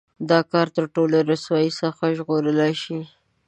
دا کار تر څو له رسوایۍ څخه وژغورل شي.